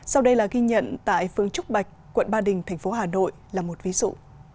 sau đây là ghi nhận tại phương trúc bạch quận ba đình tp hà nội là một ví dụ